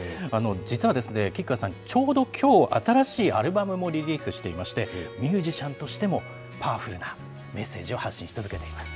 実はですね、吉川さん、ちょうどきょう、新しいアルバムもリリースしていまして、ミュージシャンとしてもパワフルなメッセージを発信し続けています。